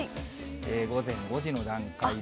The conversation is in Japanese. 午前５時の段階で。